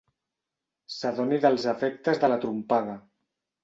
S'adoni dels efectes de la trompada.